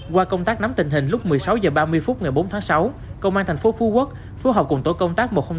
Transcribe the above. qua công tác nắm tình hình lúc một mươi sáu h ba mươi phút ngày bốn tháng sáu công an thành phố phú quốc phù hợp cùng tổ công tác một trăm linh hai